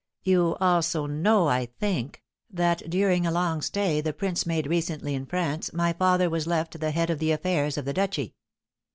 You also know, I think, that during a long stay the prince made recently in France my father was left at the head of the affairs of the duchy.